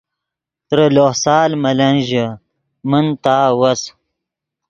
ترے لوہ سال ملن ژے من تا وس